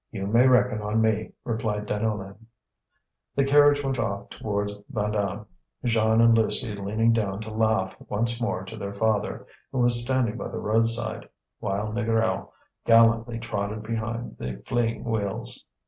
"You may reckon on me," replied Deneulin. The carriage went off towards Vandame, Jeanne and Lucie leaning down to laugh once more to their father, who was standing by the roadside; while Négrel gallantly trotted behind the fleeing wheels.